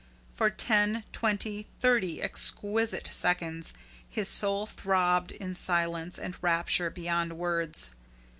For ten, twenty, thirty exquisite seconds, his soul throbbed in silence and rapture beyond words.